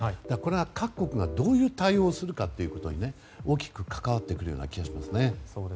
これは各国がどういう対応をするかということに大きく関わってくる気がしますね。